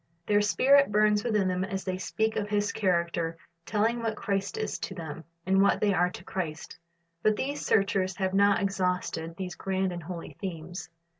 Their spirit burns within them as they speak of His character, telling what Christ is to them, and what they are to Christ. But these searchers have not exhausted these grand and holy themes.